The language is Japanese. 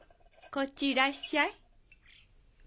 こっちいらっしゃい。